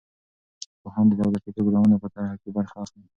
پوهان د دولتي پروګرامونو په طرحه کې برخه اخلي.